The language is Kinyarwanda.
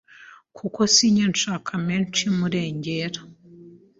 kuko sinjya nshaka menshi y’umurengera”.